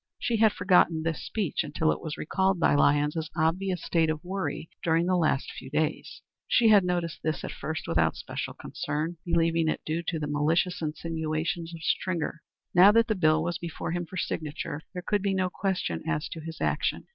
She had forgotten this speech until it was recalled by Lyons's obvious state of worry during the last few days. She had noticed this at first without special concern, believing it due to the malicious insinuations of Stringer. Now that the bill was before him for signature there could be no question as to his action.